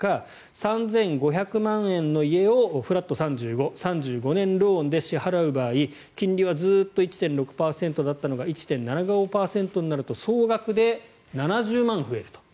３５００万円の家をフラット３５３５年ローンで支払う場合金利はずっと１．６５％だったのが１．７５％になると総額で７０万円増えると。